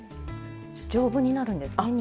丈夫になるんですね２回。